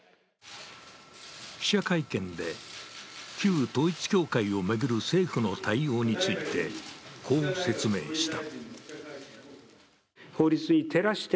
記者会見で旧統一教会を巡る政府の対応について、こう説明した。